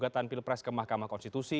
dan juga tampil pres ke mahkamah konstitusi